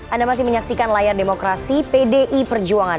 anda masih menyaksikan layar demokrasi pdi perjuangan